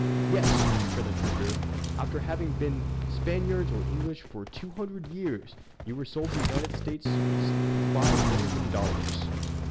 "Yes!" returned the Tribune; "after having been Spaniards or English for two hundred years, you were sold to the United States for five million dollars!"